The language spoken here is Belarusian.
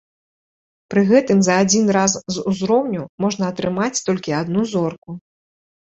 Пры гэтым за адзін раз з узроўню можна атрымаць толькі адну зорку.